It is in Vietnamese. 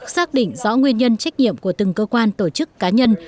xác định rõ nguyên nhân trách nhiệm của từng cơ quan tổ chức cá nhân